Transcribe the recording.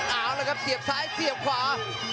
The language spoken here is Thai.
เอาละครับเสียบซ้ายเสียบขวา